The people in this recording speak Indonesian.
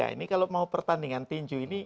ini kalau mau pertandingan tinju ini